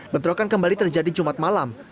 bentrokan kembali terjadi jumat malam